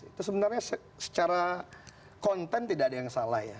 itu sebenarnya secara konten tidak ada yang salah ya